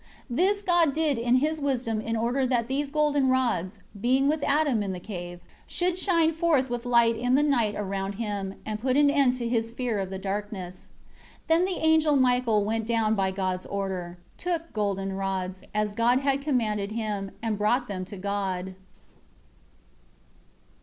7 This did God in His wisdom in order that these golden rods, being with Adam in the cave, should shine forth with light in the night around him, and put an end to his fear of the darkness. 8 Then the angel Michael went down by God's order, took golden rods, as God had commanded him, and brought them to God.